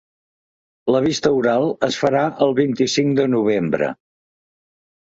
La vista oral es farà el vint-i-cinc de novembre.